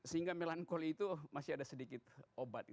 sehingga melankoli itu masih ada sedikit obat